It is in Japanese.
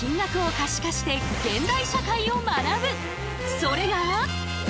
それが。